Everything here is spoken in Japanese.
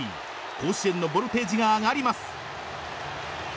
甲子園のボルテージが上がります。